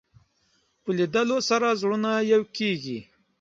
په لیدلو سره زړونه یو کېږي